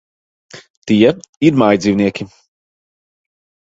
Tie ir mājdzīvnieki.